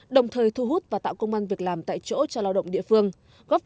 đồng thời thu hút và tạo công an việc làm tại chỗ cho lao động địa phương